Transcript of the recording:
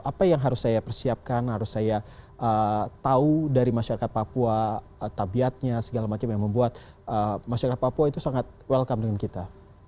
apa yang harus saya persiapkan harus saya tahu dari masyarakat papua tabiatnya segala macam yang membuat masyarakat papua itu sangat welcome dengan kita